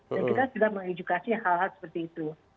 kita sudah mengedukasi hal hal seperti itu